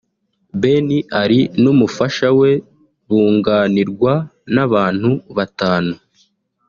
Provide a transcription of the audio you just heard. Ben Ali n’umufasha we bunganirwa n’abantu batanu